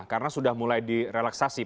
karena sudah mulai direlaksasi